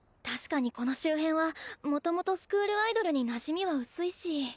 確かにこの周辺はもともとスクールアイドルになじみは薄いし。